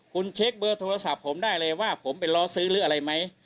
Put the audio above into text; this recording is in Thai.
คุณเช็คเบอร์โทรศัพท์ผมได้เลยว่าผมไปล้อซื้อหรืออะไรไหม